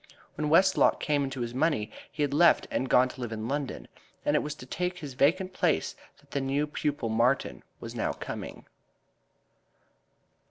When Westlock came into his money he had left and gone to live in London, and it was to take his vacant place that the new pupil Martin was now coming.